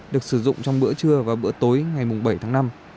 được sử dụng trong bữa trưa và bữa tối ngày bảy tháng năm